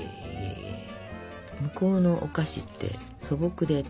向こうのお菓子って素朴で楽しいね。